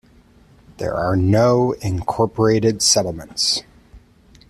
There are no incorporated settlements.